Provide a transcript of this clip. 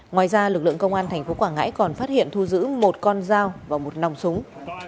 ngoài ra lực lượng công an tp quảng ngãi còn phát hiện thu giữ một con dao và một nòng súng